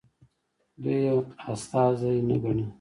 دوی یې استازي نه ګڼي.